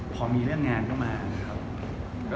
พอมีเรื่องงานเข้ามาครับ